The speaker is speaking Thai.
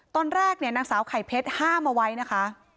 ตอนแรกเนี่ยนางสาวไข่เพชรห้ามเอาไว้นะคะ